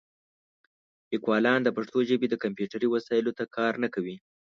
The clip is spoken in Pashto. لیکوالان د پښتو ژبې د کمپیوټري وسایلو ته کار نه کوي.